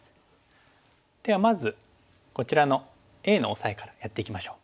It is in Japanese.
ではまずこちらのＡのオサエからやっていきましょう。